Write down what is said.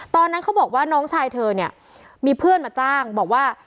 ตอนนั้นเขาบอกว่าน้องชายเธอเนี่ยมีเพื่อนมาจ้างบอกว่า